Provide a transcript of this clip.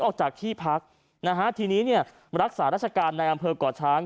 ออกจากที่พักทีนี้รักษาราชการในอำเภอกใหก่อตช้าง